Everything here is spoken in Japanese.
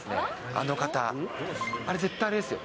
あの方、あれ、絶対、あれですよ。